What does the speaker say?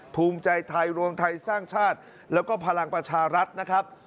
ภูมิใจไทยรวมไทยสร้างชาติแล้วก็พลังประชารัฐนะครับ